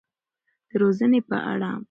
د روزنې په اړه.